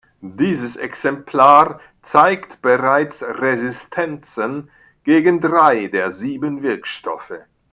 Dieses Exemplar zeigt bereits Resistenzen gegen drei der sieben Wirkstoffe.